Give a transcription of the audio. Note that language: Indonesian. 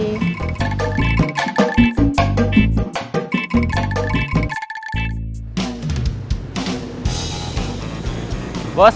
terima kasih bros